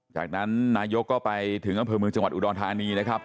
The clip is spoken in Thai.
จากนั้นนายกก็ไปถึงอำเภอเมืองจังหวัดอุดรธานีนะครับ